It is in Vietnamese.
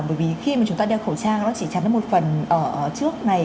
bởi vì khi mà chúng ta đeo khẩu trang nó chỉ chán đến một phần trước này